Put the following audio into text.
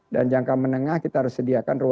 dan jangka menengah kita harus sediakan ruang tersebut